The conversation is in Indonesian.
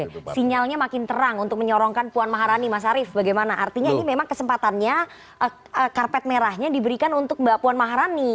oke sinyalnya makin terang untuk menyorongkan puan maharani mas arief bagaimana artinya ini memang kesempatannya karpet merahnya diberikan untuk mbak puan maharani